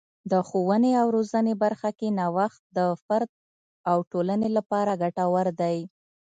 د ښوونې او روزنې برخه کې نوښت د فرد او ټولنې لپاره ګټور دی.